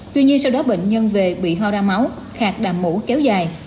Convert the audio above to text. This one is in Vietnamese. tuy nhiên sau đó bệnh nhân về bị ho ra máu khạc đàm mũ kéo dài